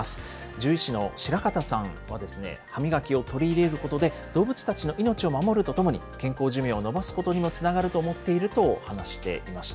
獣医師の白形さんは、歯磨きを取り入れることで、動物たちの命を守るとともに、健康寿命を延ばすことにもつながると思っていると話していました。